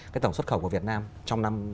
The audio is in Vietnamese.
cái tổng xuất khẩu của việt nam trong năm